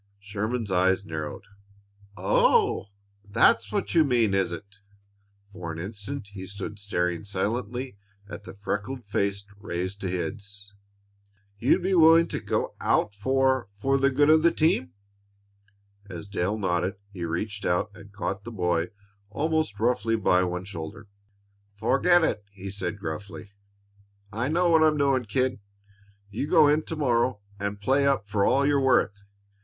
Sherman's eyes narrowed. "Oh, that's what you mean, is it?" For an instant he stood staring silently at the freckled face raised to his. "You'd be willing to get out for for the good of the team?" As Dale nodded he reached out and caught the boy almost roughly by one shoulder. "Forget it!" he said gruffly. "I know what I'm doing, kid. You go in to morrow and play up for all you're worth.